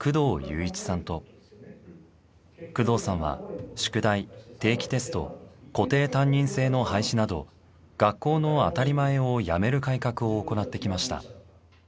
工藤さんは宿題定期テスト固定担任制の廃止など学校の当たり前をやめる改革を行ってきました。